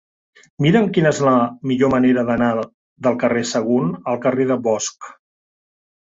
Mira'm quina és la millor manera d'anar del carrer de Sagunt al carrer de Bosch.